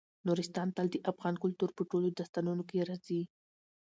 نورستان تل د افغان کلتور په ټولو داستانونو کې راځي.